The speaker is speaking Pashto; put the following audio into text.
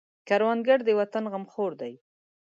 کروندګر د وطن غمخور دی